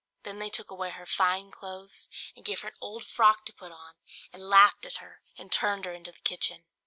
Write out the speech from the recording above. Then they took away her fine clothes, and gave her an old frock to put on, and laughed at her and turned her into the kitchen.